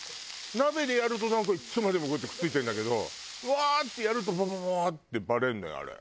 鍋でやるとなんかいつまでもこうやってくっついてんだけどブワーッてやるとバババッてバレるのよあれ。